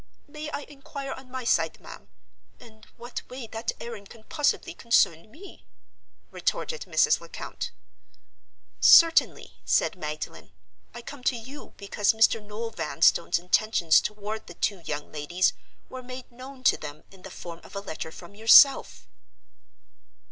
"May I inquire on my side, ma'am, in what way that errand can possibly concern me?" retorted Mrs. Lecount. "Certainly," said Magdalen. "I come to you because Mr. Noel Vanstone's intentions toward the two young ladies were made known to them in the form of a letter from yourself."